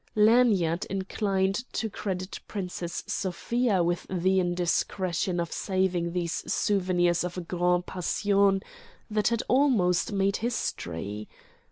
Lanyard inclined to credit Princess Sofia with the indiscretion of saving these souvenirs of a grande passion that had almost made history.